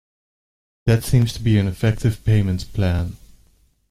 That seems to be an effective payment plan